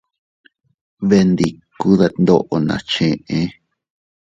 Beendikuu ddeetdoo nas chee.